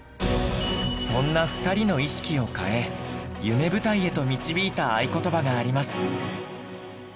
そんな２人の意識を変え夢舞台へと導いた愛ことばがあります。